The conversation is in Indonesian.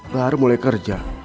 baru mulai kerja